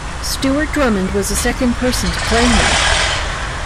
Stuart Drummond was the second person to play him.